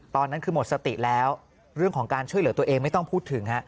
ตอนนั้นคือหมดสติแล้วเรื่องของการช่วยเหลือตัวเองไม่ต้องพูดถึงฮะ